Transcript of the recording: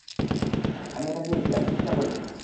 আমি এটা চেয়েছি, আমি চেষ্টা করেছি।